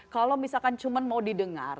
kalau misalkan cuma mau didengar